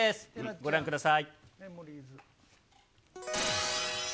ご覧ください。